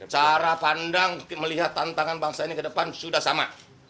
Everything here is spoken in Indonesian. cara pandang melihat tantangan bangsa ini ke depan sudah sama